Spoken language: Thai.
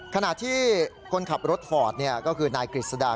ขณะที่คนขับรถฟอร์ดก็คือนายกฤษดา